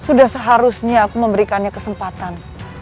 sudah seharusnya aku memberikannya kesempatan